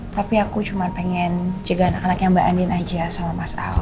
tapi aku cuma pengen jaga anak anaknya mbak andin aja sama mas al